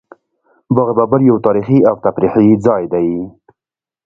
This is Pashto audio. باغ بابر یو تاریخي او تفریحي ځای دی